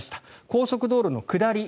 高速道路の下り